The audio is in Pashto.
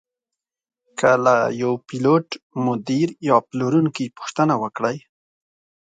که له یوه پیلوټ، مدیر یا پلورونکي پوښتنه وکړئ.